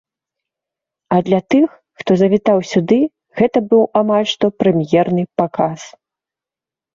А для тых, хто завітаў сюды, гэта быў амаль што прэм'ерны паказ.